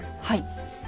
はい。